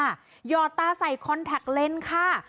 หยอดตาใส่คอนแท็กเลนส์ค่ะ